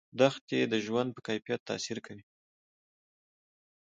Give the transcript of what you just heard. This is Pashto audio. دښتې د ژوند په کیفیت تاثیر کوي.